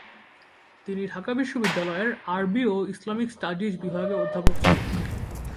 তিনি ঢাকা বিশ্ববিদ্যালয়ের আরবি ও ইসলামিক স্টাডিজ বিভাগে অধ্যাপক ছিলেন।